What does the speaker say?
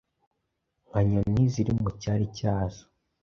Nka nyoni ziri mu cyari cyazo,